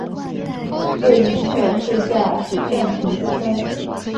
位于句容市下蜀镇亭子村。